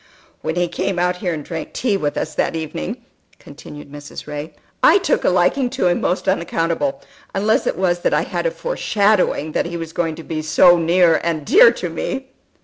"When he came out here and drank tea with us that evening," continued Mrs. Ray, "I took a liking to him most unaccountable, unless it was that I had a foreshadowing that he was going to be so near and dear to me."